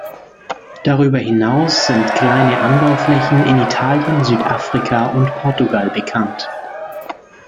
Darüber hinaus sind kleine Anbauflächen in Italien, Südafrika und Portugal bekannt.